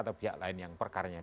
atau pihak lain yang perkaranya